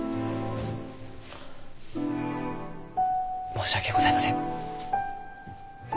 申し訳ございません。